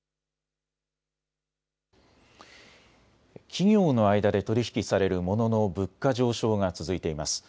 企業の間で取り引きされるモノの物価上昇が続いてます。